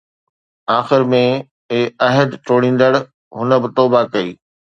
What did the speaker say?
آخر ۾، اي عهد ٽوڙيندڙ، هن به توبه ڪئي